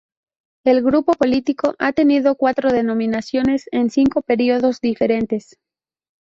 El grupo político ha tenido cuatro denominaciones en cinco periodos diferentes.